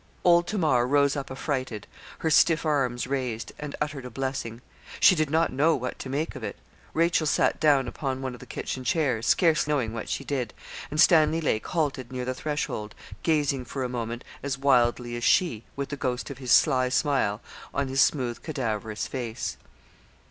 Old Tamar rose up affrighted, her stiff arms raised, and uttered a blessing. She did not know what to make of it. Rachel sat down upon one of the kitchen chairs, scarce knowing what she did, and Stanley Lake halted near the threshold gazing for a moment as wildly as she, with the ghost of his sly smile on his smooth, cadaverous face.